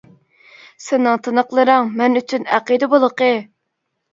سېنىڭ تىنىقلىرىڭ مەن ئۈچۈن ئەقىدە بۇلىقى!